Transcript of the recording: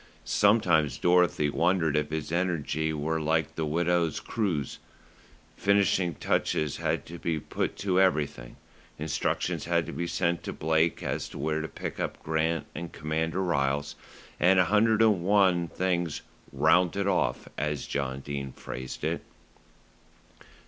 Sometimes Dorothy wondered if his energy were like the widow's cruse. Finishing touches had to be put to everything. Instructions had to be sent to Blake as to where to pick up Grant and Commander Ryles, and a hundred and one things "rounded off," as John Dene phrased it.